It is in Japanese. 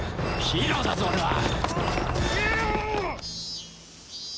ヒーローだぞ俺は。